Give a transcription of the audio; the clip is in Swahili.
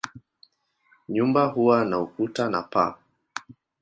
Nyumba huwa na ukuta na paa.